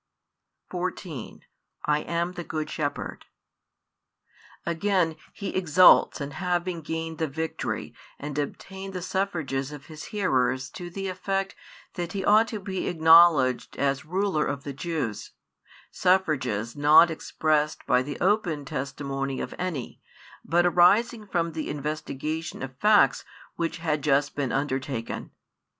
14 I am the Good Shepherd. Again He exults in having gained the victory and obtained the suffrages [of His hearers to the effect] that He ought to be acknowledged as ruler of the Jews, suffrages not expressed by the open testimony of any, but arising from the investigation of facts which has just been |79 undertaken.